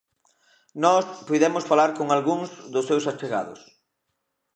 Nós puidemos falar con algúns dos seus achegados.